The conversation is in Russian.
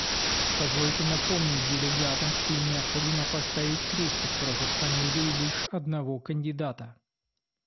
Позвольте напомнить делегатам, что им необходимо поставить крестик против фамилии лишь одного кандидата.